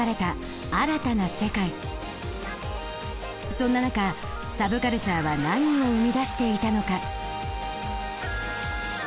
そんな中サブカルチャーは何を生み出していたのか。